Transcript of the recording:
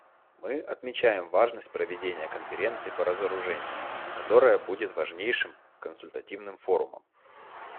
Мы отмечаем важность проведения конференции по разоружению, которая будет важнейшим консультативным форумом.